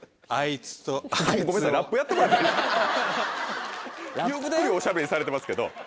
ゆっくりおしゃべりされてますけど。